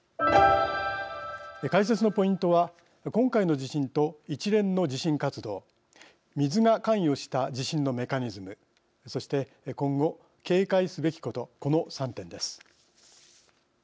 解説のポイントは今回の地震と一連の地震活動水が関与した地震のメカニズムそして、今後、警戒すべきことこの３点です。